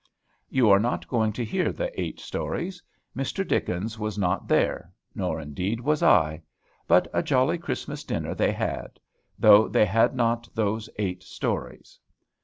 You are not going to hear the eight stories. Mr. Dickens was not there; nor, indeed, was I. But a jolly Christmas dinner they had; though they had not those eight stories.